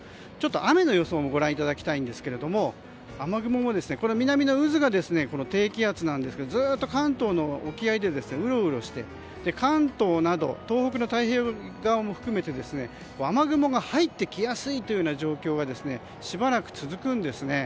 雨の予想もご覧いただきたいんですが雨雲も南の渦が低気圧なんですがずっと関東の沖合でうろうろして関東など東北の太平洋側も含めて雨雲が入ってきやすいという状況がしばらく続くんですね。